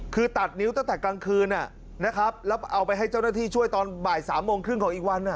คือตัดนิ้วตั้งแต่กลางคืนนะครับแล้วเอาไปให้เจ้าหน้าที่ช่วยตอนบ่าย๓โมงครึ่งของอีกวัน